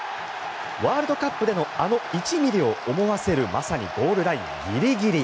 ワールドカップでのあの１ｍｍを思わせるまさにゴールラインギリギリ。